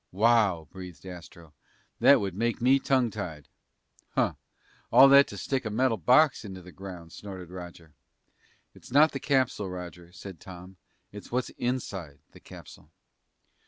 "Wow!" breathed Astro. "That would make me tongue tied!" "Huh! All that to stick a metal box into the ground," snorted Roger. "It's not the capsule, Roger," said Tom. "It's what's inside the capsule."